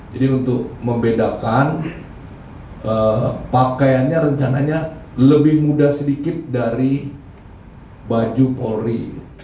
jadi untuk membedakan pakaiannya rencananya lebih mudah sedikit dari baju polri